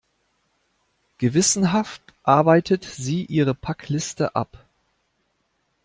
Gewissenhaft arbeitet sie ihre Packliste ab.